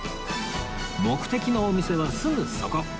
目的のお店はすぐそこ